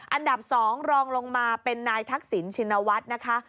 อันดับ๒รองลงมาเป็นนายทักษิณชินวัฒน์นะคะ